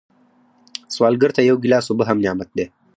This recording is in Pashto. سوالګر ته یو ګیلاس اوبه هم نعمت دی